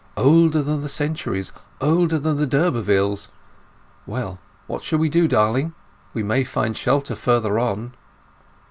Older than the centuries; older than the d'Urbervilles! Well, what shall we do, darling? We may find shelter further on."